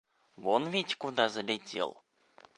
Вон ведь куда залетел!